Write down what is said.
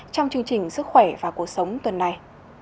trong chương trình sức khỏe và cuộc sống tuần này